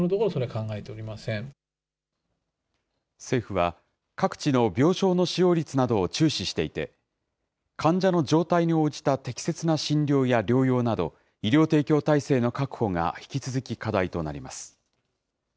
政府は、各地の病床の使用率などを注視していて、患者の状態に応じた適切な診療や療養など、医療提供体制の確保が引き続き課題となります。